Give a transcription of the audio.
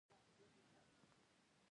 انسان څه کولی شي؟